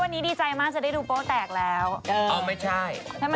นี่อะไระทำงงคุณแม่ขนาดนี้แม่เห้นเหนื่อย